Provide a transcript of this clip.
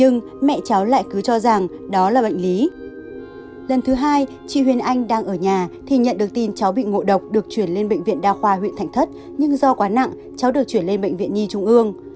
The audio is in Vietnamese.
nhưng do quá nặng cháu được chuyển lên bệnh viện nhi trung ương